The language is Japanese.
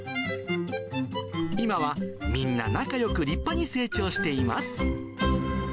今はみんな仲よく立派に成長しています。